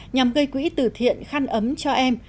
nhằm gây quỹ từ thiện khăn ấm cho em